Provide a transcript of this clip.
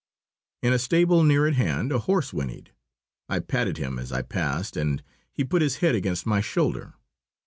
In a stable near at hand a horse whinnied. I patted him as I passed, and he put his head against my shoulder.